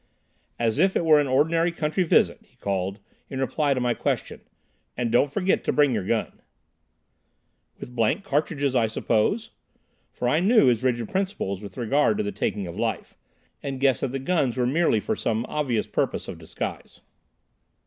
"As if it were an ordinary country visit," he called, in reply to my question; "and don't forget to bring your gun." "With blank cartridges, I suppose?" for I knew his rigid principles with regard to the taking of life, and guessed that the guns were merely for some obvious purpose of disguise.